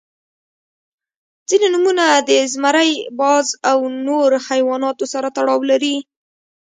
• ځینې نومونه د زمری، باز او نور حیواناتو سره تړاو لري.